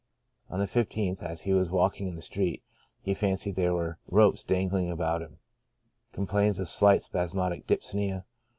On the 15th, as he was walk ing in the street, he fancied there were ropes dangling about him ; complains of slight spasmodic dyspnoea.